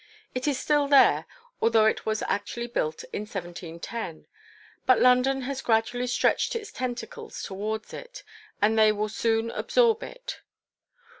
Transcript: It is still there, although it was actually built in 1710; but London has gradually stretched its tentacles towards it, and they will soon absorb it.